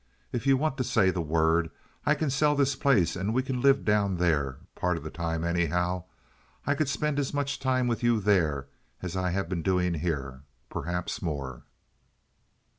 If you want to say the word, I can sell this place and we can live down there, part of the time, anyhow. I could spend as much of my time with you there as I have been doing here—perhaps more."